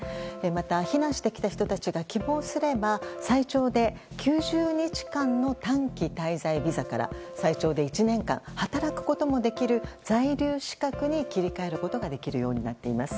また、避難してきた人たちが希望すれば最長で９０日間の短期滞在ビザから最長で１年間、働くこともできる在留資格に切り替えることができるようになっています。